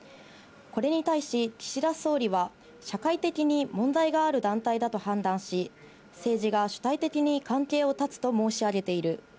これに対し、岸田総理は、社会的に問題がある団体だと判断し、政治が主体的に関係を断つと申し上げている。